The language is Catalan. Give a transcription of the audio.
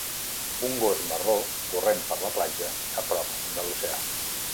Un gos marró corrent per la platja a prop de l'oceà.